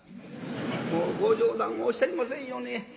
「もうご冗談をおっしゃりませんように。